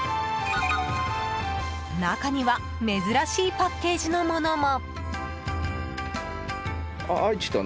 中には珍しいパッケージのものも。